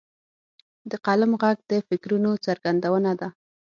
د قلم ږغ د فکرونو څرګندونه ده.